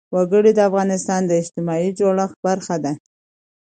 وګړي د افغانستان د اجتماعي جوړښت برخه ده.